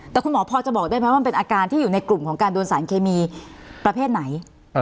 แต่คุณหมอพอจะบอกได้ไหมว่ามันเป็นอาการที่อยู่ในกลุ่มของการโดนสารเคมีประเภทไหน